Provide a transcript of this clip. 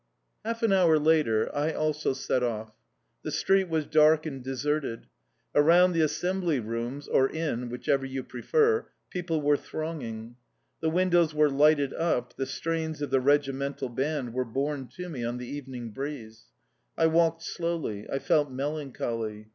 Half an hour later I also set off. The street was dark and deserted. Around the assembly rooms, or inn whichever you prefer people were thronging. The windows were lighted up, the strains of the regimental band were borne to me on the evening breeze. I walked slowly; I felt melancholy.